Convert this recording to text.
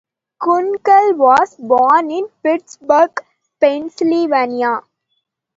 Kunkel was born in Pittsburgh, Pennsylvania.